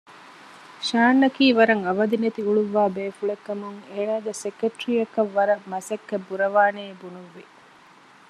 ޝާން އަކީ ވަރަށް އަވަދި ނެތި އުޅުއްވާ ބޭފުޅެއް ކަމުން އޭނާގެ ސެކެޓްރީއަކަށް ވަރަށް މަސައްކަތް ބުރަވާނެއޭ ބުނުއްވި